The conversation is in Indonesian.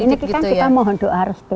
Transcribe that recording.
ini kan kita mohon doa harus tuh